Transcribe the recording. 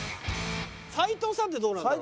斎藤さんってどうなんだろう？